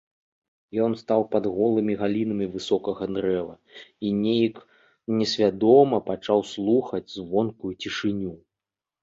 Ён стаў пад голымі галінамі высокага дрэва і нейк несвядома пачаў слухаць звонкую цішыню.